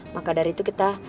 maka dari itu kita